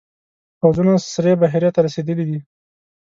پوځونه سرې بحیرې ته رسېدلي دي.